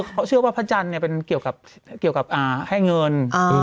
เขาเชื่อว่าพระจันทร์เป็นเกี่ยวกับให้เงิน